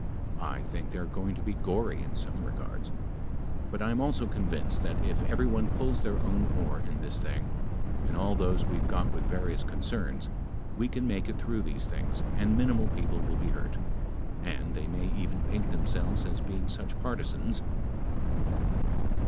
I think they are going to be gory in some regards, but I am also convinced that if every one pulls their own oar in this thing, in all those we've got with various concerns, we can make it through these things and minimal people will be hurt. And they may even paint themselves as being such partisans.